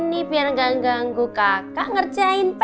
di sebelah sini biar gak ganggu kakak ngerjain pr